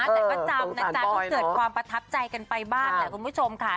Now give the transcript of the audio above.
แต่ประจำนะจ๊ะเค้าเกิดความประทับใจกันไปบ้างคุณผู้ชมค่ะ